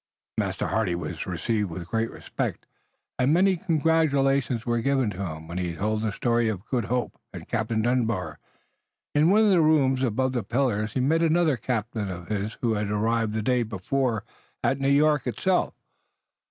Master Hardy was received with great respect, and many congratulations were given to him, when he told the story of the Good Hope and Captain Dunbar. In one of the rooms above the pillars he met another captain of his who had arrived the day before at New York itself.